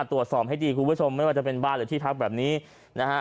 ตรวจสอบให้ดีคุณผู้ชมไม่ว่าจะเป็นบ้านหรือที่พักแบบนี้นะฮะ